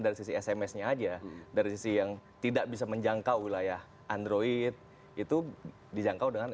dari sisi sms nya aja dari sisi yang tidak bisa menjangkau wilayah android itu dijangkau dengan